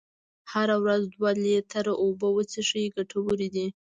هره ورځ دوه لیتره اوبه وڅښئ ګټورې دي.